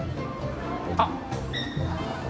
あっ！